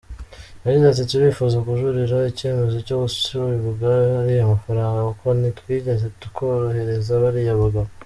Yagize ati “Turifuza kujuririra icyemezo cyo gucibwa ariya mafaranga kuko ntitwigeze twohereza bariya bagabo.